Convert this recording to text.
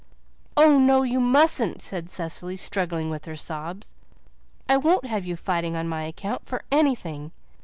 "Oh, no, You mustn't." said Cecily, struggling with her sobs. "I won't have you fighting on my account for anything.